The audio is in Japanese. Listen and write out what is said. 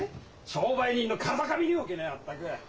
商売人の風上にも置けねえよ全く。